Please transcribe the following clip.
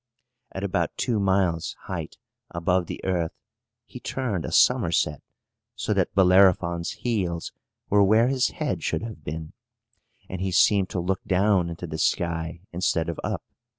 At about two miles' height above the earth, he turned a somerset, so that Bellerophon's heels were where his head should have been, and he seemed to look down into the sky, instead of up.